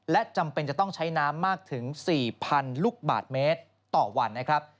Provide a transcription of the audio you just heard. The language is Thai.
และจำเป็นจะต้องใช้น้ำมากถึง๔๐๐๐ลูกบาทเมตรต่อวันนะครับ